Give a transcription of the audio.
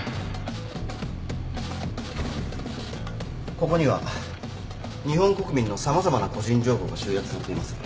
ここには日本国民の様々な個人情報が集約されています。